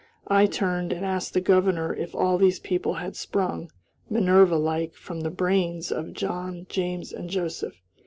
I turned, and asked the Governor if all these people had sprung, Minerva like, from the brains of John, James, and Joseph.